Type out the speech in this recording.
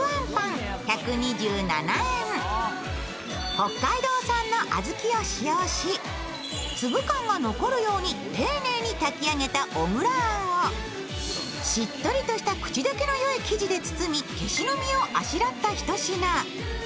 北海道産の小豆を使用し、粒感が残るように丁寧に炊き上げた小倉あんをしっとりとした口溶けのよい生地で包みけしの実をあしらった一品。